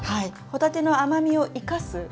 帆立ての甘みを生かす。